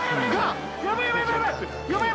やばい！